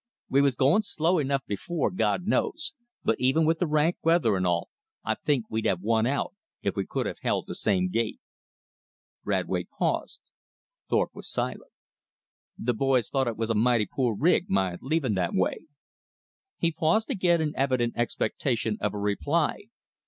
We was going slow enough before, God knows, but even with the rank weather and all, I think we'd have won out, if we could have held the same gait." Radway paused. Thorpe was silent. "The boys thought it was a mighty poor rig, my leaving that way." He paused again in evident expectation of a reply.